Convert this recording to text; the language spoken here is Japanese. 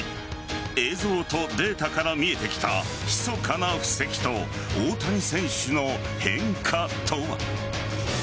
映像とデータから見えてきたひそかな布石と大谷選手の変化とは。